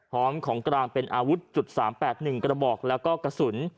ของกลางเป็นอาวุธ๓๘๑กระบอกแล้วก็กระสุน